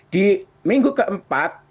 di minggu keempat